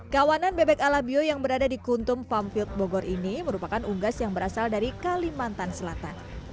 kawanan bebek alabio yang berada di kuntum fampilk bogor ini merupakan unggas yang berasal dari kalimantan selatan